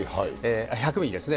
１００ミリですね。